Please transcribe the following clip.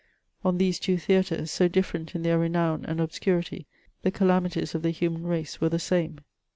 On t^ese two theatres, so different in their renown and obscurity, the calamities of the human race were the same.